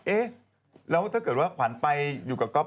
เอ๊ะแล้วถ้าเกิดว่าขวัญไปอยู่กับก๊อฟ